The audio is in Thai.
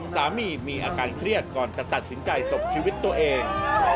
สามีมีอาการเครียดก่อนจะตัดสินใจตบชีวิตตัวเอง